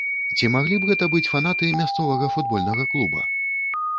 Ці маглі б гэта быць фанаты мясцовага футбольнага клуба?